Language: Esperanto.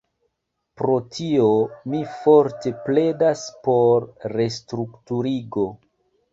Pro tio mi forte pledas por restrukturigo.